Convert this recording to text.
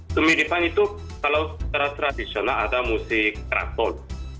kemiripan itu kalau secara tradisional ada musik keraton